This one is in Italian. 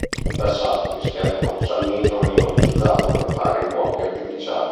In passato, mischiato con salnitro veniva utilizzato per fare i fuochi artificiali.